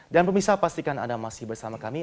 dan pemirsa pastikan anda masih bersama kami